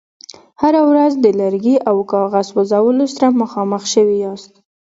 هره ورځ د لرګي او کاغذ سوځولو سره مخامخ شوي یاست.